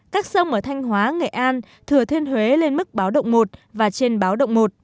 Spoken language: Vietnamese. các sông ở thanh hóa nghệ an thừa thiên huế lên mức báo động một và trên báo động một